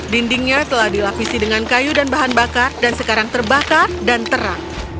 dindingnya telah dilapisi dengan kayu dan bahan bakar dan sekarang terbakar dan terang